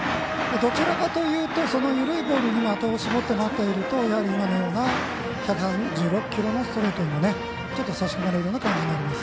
どちらかというと緩いボールに的を絞って待っていると今のような１３６キロのストレートで差し込まれる感じになります。